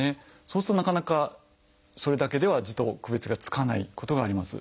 そうするとなかなかそれだけでは痔と区別がつかないことがあります。